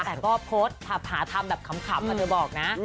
แต่ก็โพสต์หาทำแบบขำเธอบอกนะ